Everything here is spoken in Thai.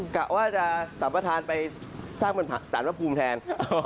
กะว่าจะสรรพทานไปสร้างเป็นผักสรรพภูมิแทน